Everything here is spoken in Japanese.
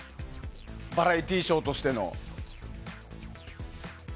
バラエティーショーとしての。